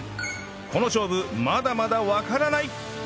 この勝負まだまだわからない